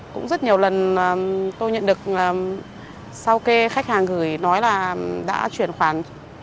cũng rất nhiều lần tôi nhận được là sau kê khách hàng gửi nói là đã chuyển khoản